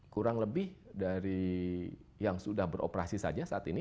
kurang lebih dari yang sudah beroperasi saja saat ini